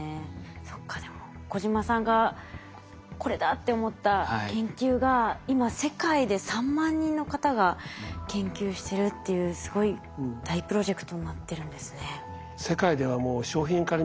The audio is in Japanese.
そっかでも小島さんがこれだって思った研究が今世界で３万人の方が研究してるっていうすごい大プロジェクトになってるんですね。